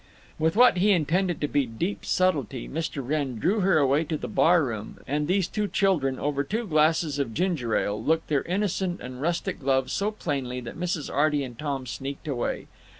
With what he intended to be deep subtlety Mr. Wrenn drew her away to the barroom, and these two children, over two glasses of ginger ale, looked their innocent and rustic love so plainly that Mrs. Arty and Tom sneaked away.